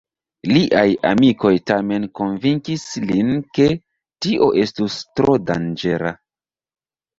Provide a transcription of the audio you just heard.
Liaj amikoj tamen konvinkis lin, ke tio estus tro danĝera.